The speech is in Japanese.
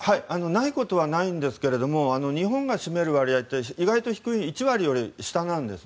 ないことはないんですが日本が占める割合って意外と低くて１割より下なんです。